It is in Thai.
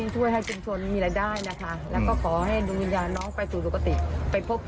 ด้วยรักและผูกคันนะครับ